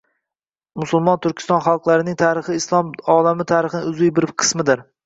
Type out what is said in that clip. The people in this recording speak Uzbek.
Musulmon Turkiston xalqlarining tarixi Islom olami tarixining uzviy bir qismidir